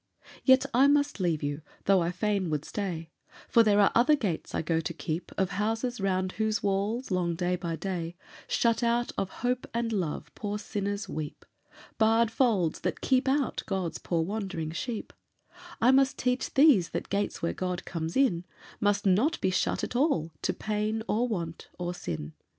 "Yet I must leave you, though I fain would stay, For there are other gates I go to keep Of houses round whose walls, long day by day, Shut out of hope and love, poor sinners weep Barred folds that keep out God's poor wandering sheep I must teach these that gates where God comes in Must not be shut at all to pain, or want, or sin.